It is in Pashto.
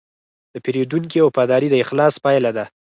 د پیرودونکي وفاداري د اخلاص پایله ده.